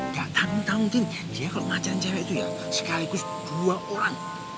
tentang tentang din dia kalau pacaran cewek itu sekaligus dua orang